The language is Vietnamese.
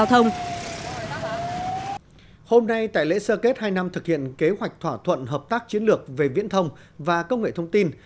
hôm nay tại lễ sơ kết hai năm thực hiện kế hoạch thỏa thuận hợp tác chiến lược về viễn thông và công nghệ thông tin